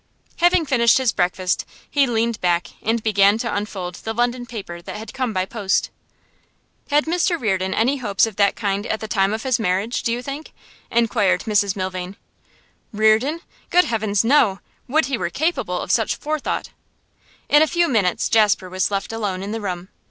Having finished his breakfast, he leaned back and began to unfold the London paper that had come by post. 'Had Mr Reardon any hopes of that kind at the time of his marriage, do you think?' inquired Mrs Milvain. 'Reardon? Good heavens, no! Would he were capable of such forethought!' In a few minutes Jasper was left alone in the room.